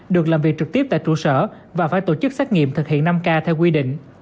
được làm việc trực tiếp tại trụ sở và phải tổ chức xét nghiệm thực hiện năm k theo quy định